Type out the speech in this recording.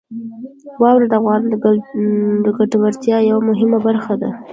واوره د افغانانو د ګټورتیا یوه مهمه برخه ده.